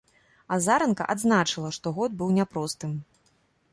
Азаранка адзначыла, што год быў няпростым.